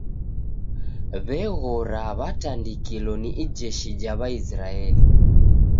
W'eghora w'atandikilo ni ijeshi ja w'aisraeli